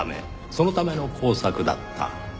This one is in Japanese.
そのための工作だった。